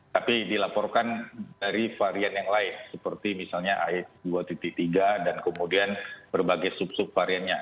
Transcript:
tapi dilaporkan dari varian yang lain seperti misalnya ay dua tiga dan kemudian berbagai sub sub variannya